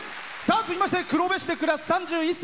続いては黒部市で暮らす３１歳。